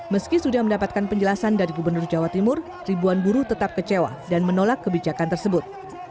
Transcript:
meski sudah mendapatkan penjelasan dari gubernur jawa timur ribuan buruh tetap kecewa dan menolak kebijakan tersebut